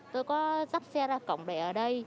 tôi có dắt xe ra cổng để ở đây